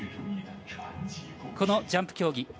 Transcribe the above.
このジャンプ競技